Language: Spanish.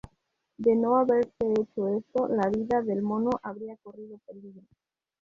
De no haberse hecho esto, la vida del mono habría corrido peligro.